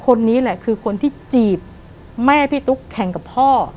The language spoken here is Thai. คนนี้แหละคือคนที่จีบแม่พี่ตุ๊กแข่งกับพ่อ